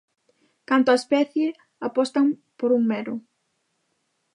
Canto á especie, apostan por un mero.